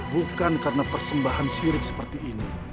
bukan karena persembahan sirik seperti ini